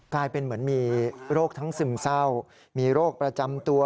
กลายเป็นเหมือนมีโรคทั้งซึมเศร้ามีโรคประจำตัว